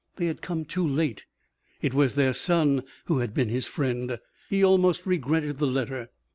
They had come too late. It was their son who had been his friend. He almost regretted the letter.